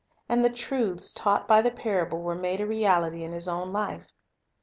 And the truths taught by the parable were made a reality in His own life.